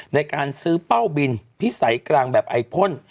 ในการซื้อเป้าบินพิสัยกลางแบบไอพ่น